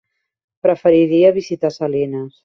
Preferiria visitar Salines.